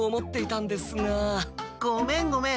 ごめんごめん。